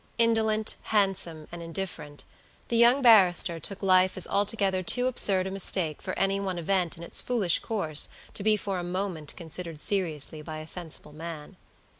Indolent, handsome, and indifferent, the young barrister took life as altogether too absurd a mistake for any one event in its foolish course to be for a moment considered seriously by a sensible man.